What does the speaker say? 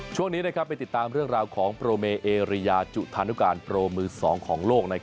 ช่วงนี้ไปติดตามเรื่องราวของโปรเมเอเรียจุธานุการโปรมือ๒ของโลก